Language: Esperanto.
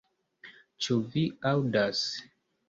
Ĉu vi aŭdas!